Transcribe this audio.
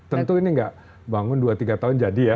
tentu ini nggak bangun dua tiga tahun jadi ya